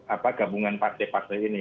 apa gabungan partai partai ini